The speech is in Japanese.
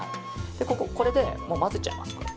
これで混ぜちゃいます。